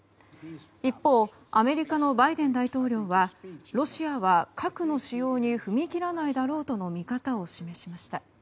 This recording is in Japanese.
一方、アメリカのバイデン大統領はロシアは核の使用に踏み切らないだろうとの見方を示しました。